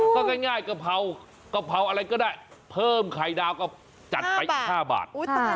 ก็ง่ายกะเพราอะไรก็ได้เพิ่มไข่ดาวก็จัดไป๕บาท